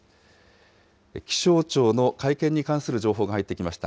気象庁の会見に関する情報が入ってきました。